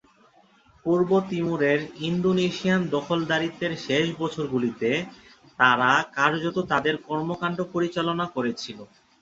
পূর্ব তিমুরের ইন্দোনেশিয়ান দখলদারিত্বের শেষ বছরগুলিতে তারা কার্যত তাদের কর্মকাণ্ড পরিচালনা করেছিল।